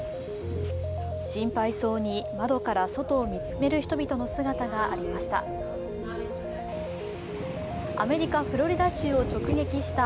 心配そうに窓から外を見つめる人々の姿がありました。